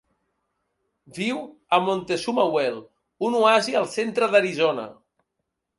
Viu a Montezuma Well, un oasi al centre d'Arizona.